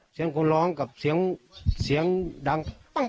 เสียงคนร้องกับเสียงดัง